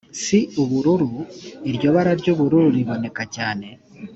si ubururu iryo bara ry ubururu riboneka cyane